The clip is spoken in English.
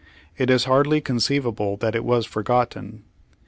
It is hardly con ceivable that it Vv^as forgotten.